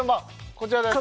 こちらです